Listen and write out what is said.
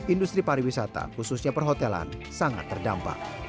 industri pariwisata khususnya perhotelan sangat terdampak